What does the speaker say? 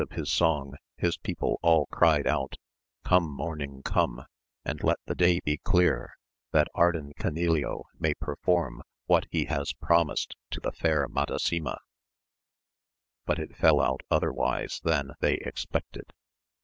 of his song his people all cried out, Come morning, come ! and let the day be clear, that Ardan Canileo may perform what he has promised to the fair Madasima ; but it fell out otherwise than they expected.